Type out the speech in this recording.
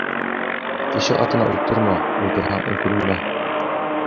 Кеше атына ултырма, ултырһаң үкенмә.